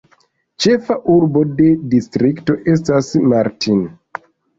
Ĉefa urbo de distrikto estas Martin.